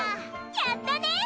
やったね！